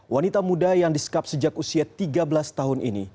wanita muda yang disekap sejak usia tiga belas tahun ini